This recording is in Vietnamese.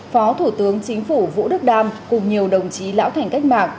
phó thủ tướng chính phủ vũ đức đam cùng nhiều đồng chí lão thành cách mạng